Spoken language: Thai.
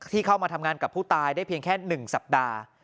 เข้ามาทำงานกับผู้ตายได้เพียงแค่๑สัปดาห์